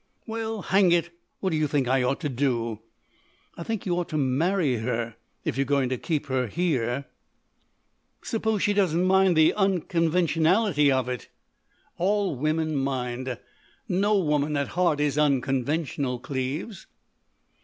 "Well, hang it, what do you think I ought to do?" "I think you ought to marry her if you're going to keep her here." "Suppose she doesn't mind the unconventionality of it?" "All women mind. No woman, at heart, is unconventional, Cleves."